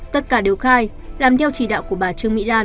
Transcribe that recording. tất cả đều khai làm theo chỉ đạo của bà trương mỹ lan